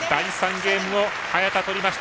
ゲームを早田、取りました。